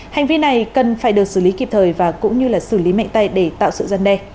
hành vi này cần phải được xử lý kịp thời và cũng như xử lý mạnh tay để tạo sự gian đe